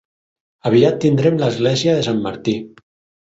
Aviat tindrem l'Església de Sant Martí.